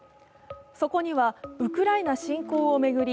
そこには、ウクライナ侵攻を巡り